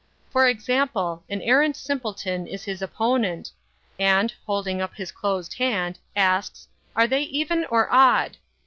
For example, an arrant simpleton is his opponent, and, holding up his closed hand, asks, 'are they even or odd?